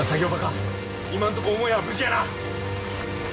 今んとこ母屋は無事やな。